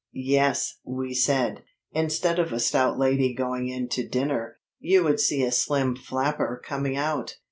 "Yes," we said; "instead of a stout lady going in to dinner, you would see a slim flapper coming out."